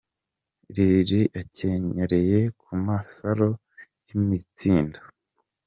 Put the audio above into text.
Lil G akenyerere ku masaro y’imitsindo.